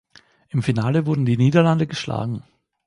Im Finale wurden die Niederlande geschlagen.